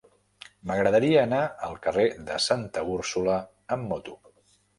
M'agradaria anar al carrer de Santa Úrsula amb moto.